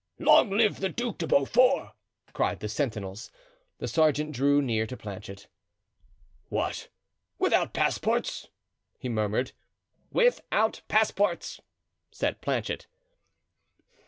"Long live the Duc de Beaufort!" cried the sentinels. The sergeant drew near to Planchet. "What! without passports?" he murmured. "Without passports," said Planchet.